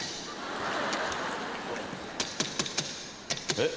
えっ？